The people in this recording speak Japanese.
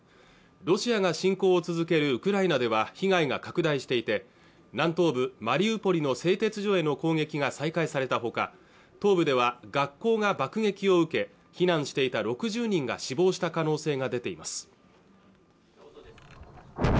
ロシアが侵攻を続けるウクライナでは被害が拡大していて南東部マリウポリの製鉄所への攻撃が再開されたほか東部では学校が爆撃を受け避難していた６０人が死亡した可能性が出ています